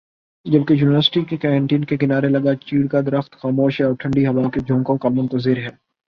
جبکہ university canteen کے کنارے لگا چیڑ کا درخت خاموش ہےاور ٹھنڈی ہوا کے جھونکوں کا منتظر ہے